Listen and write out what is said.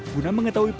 guna mengetahui penyakit